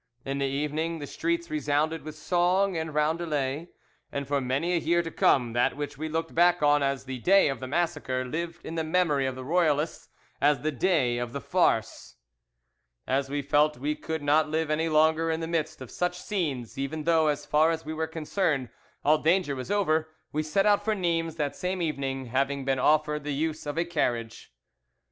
In the evening the streets resounded with song and roundelay, and for many a year to come that which we looked back on as 'the day of the massacre' lived in the memory of the Royalists as 'the day of the farce.' "As we felt we could not live any longer in the midst of such scenes, even though, as far as we were concerned, all danger was over, we set out for Nimes that same evening, having been offered the use of a carriage.